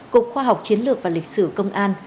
cục khoa học chiến lược và lịch sử công an